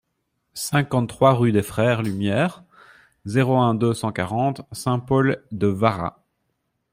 cinquante-trois rue des Frères Lumière, zéro un, deux cent quarante, Saint-Paul-de-Varax